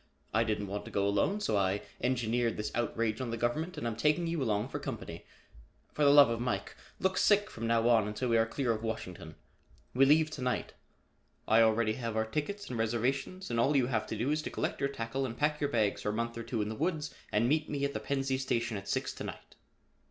I didn't want to go alone, so I engineered this outrage on the government and am taking you along for company. For the love of Mike, look sick from now on until we are clear of Washington. We leave to night. I already have our tickets and reservations and all you have to do is to collect your tackle and pack your bags for a month or two in the woods and meet me at the Pennsy station at six to night."